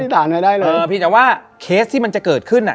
แต่ว่าเคสที่มันจะเกิดขึ้นอ่ะ